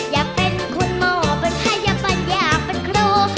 อยากเป็นคุณหมอเป็นพยาบาลอยากเป็นครู